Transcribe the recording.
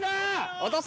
・・落とせ！